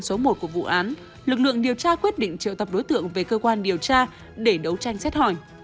số một của vụ án lực lượng điều tra quyết định triệu tập đối tượng về cơ quan điều tra để đấu tranh xét hỏi